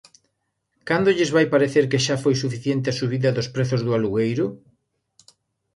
¿Cando lles vai parecer que xa foi suficiente a subida dos prezos do alugueiro?